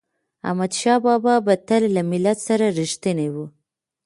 احمدشاه بابا به تل له ملت سره رښتینی و.